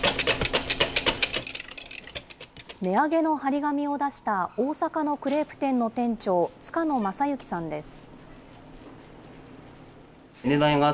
値上げの貼り紙を出した大阪のクレープ店の店長、塚野雅之さんです。